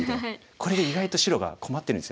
これ意外と白が困ってるんですよね。